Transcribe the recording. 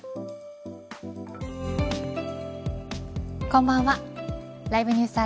こんばんは。